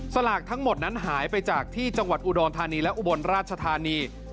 สลากทั้งหมดนั้นหายไปจากที่จังหวัดอุดรธานีและอุบลราชธานี